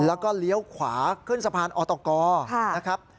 แล้วก็เลี้ยวขวาขึ้นสะพานอตกนะครับ